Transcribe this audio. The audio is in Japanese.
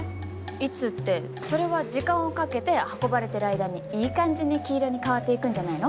いつってそれは時間をかけて運ばれてる間にいい感じに黄色に変わっていくんじゃないの？